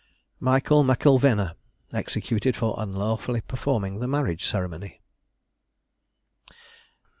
MICHAEL M'ILVENA. EXECUTED FOR UNLAWFULLY PERFORMING THE MARRIAGE CEREMONY.